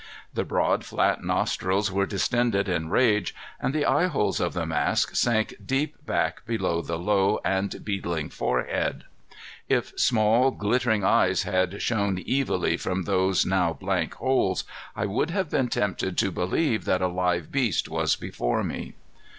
The broad, flat nostrils were distended in rage, and the eyeholes of the mask sank deep back below the low and beetling forehead. If small, glittering eyes had shone evilly from those now blank holes, I would have been tempted to believe that a live beast was before me.